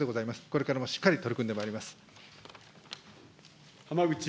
これからもしっかり取り組んでまいります。